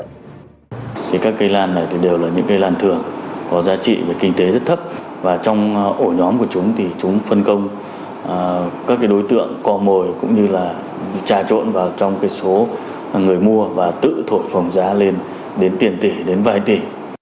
thì các cây lan này thì đều là những cây lan thường có giá trị về kinh tế rất thấp và trong ổ nhóm của chúng thì chúng phân công các đối tượng cò mồi cũng như là trà trộn vào trong cái số người mua và tự thổi phòng giá lên đến tiền tỷ đến vài tỷ